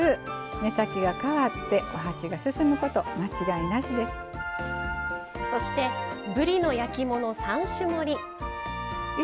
目先が変わってお箸が進むこと間違いなしです。